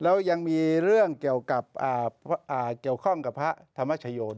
แล้วยังมีเรื่องเกี่ยวข้องกับพระธรรมชโยธด้วย